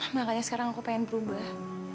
makanya sekarang aku pengen berubah